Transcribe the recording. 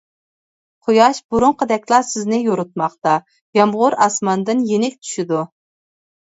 قۇياش بۇرۇنقىدەكلا سىزنى يورۇتماقتا، يامغۇر ئاسماندىن يېنىك چۈشىدۇ.